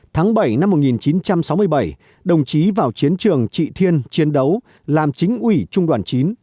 tháng bảy năm một nghìn chín trăm sáu mươi bảy đồng chí vào chiến trường trị thiên chiến đấu làm chính ủy trung đoàn chín